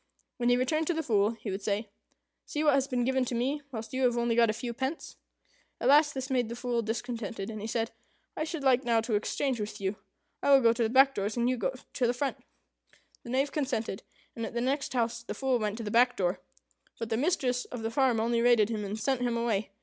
When he returned to the Fool, he would say, "See what has been given to me, whilst you have only got a few pence." At last this made the Fool discontented, and he said, "I should like now to exchange with you. I will go to the back doors, and you to the front." The Knave consented, and at the next house the Fool went to the back door; but the mistress of the farm only rated him, and sent him away.